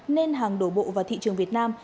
nên hàng đổ bộ vào thị trường việt nam